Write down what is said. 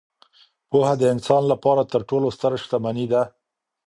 پوهه د انسان لپاره تر ټولو ستره شتمني ده.